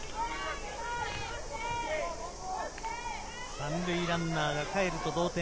３塁ランナーがかえると同点。